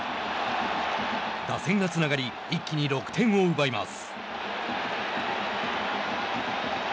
打線がつながり一気に６点を奪います。